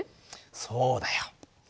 そうだよ。